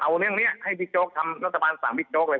เอาเรื่องเนี้ยให้พี่โจ๊กทำรัฐบาลสั่งพี่โจ๊กอะไร